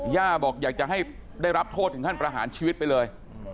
ย่าบอกอยากจะให้ได้รับโทษถึงขั้นประหารชีวิตไปเลย